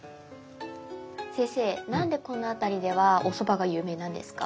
先生何でこの辺りではおそばが有名なんですか？